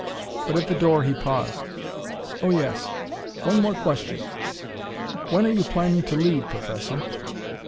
But at the door he paused. "Oh, yes one more question. When are you planning to leave, Professor?"